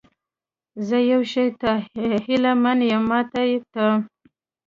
زه یو شي ته هیله من یم، ماتې ته؟